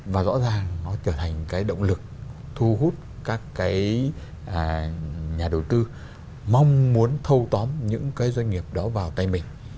và rõ ràng nó trở thành cái động lực thu hút các cái nhà đầu tư mong muốn thâu tóm những cái doanh nghiệp đó vào tay mình